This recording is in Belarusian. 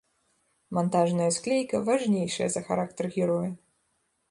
Мантажная склейка важнейшая за характар героя.